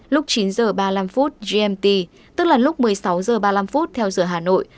lúc chín h ba mươi năm gmt tức là lúc một mươi sáu h ba mươi năm theo giờ hà nội